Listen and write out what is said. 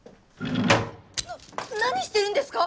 な何してるんですか？